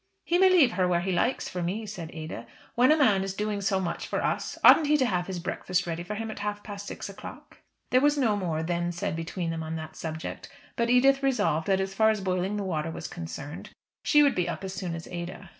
"He may leave her where he likes for me," said Ada. "When a man is doing so much for us oughtn't he to have his breakfast ready for him at half past six o'clock?" There was no more then said between them on that subject; but Edith resolved that as far as boiling the water was concerned, she would be up as soon as Ada.